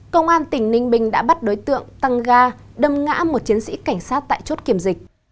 công an tỉnh ninh bình đã bắt đối tượng tăng ga đâm ngã một chiến sĩ cảnh sát tại chốt kiểm dịch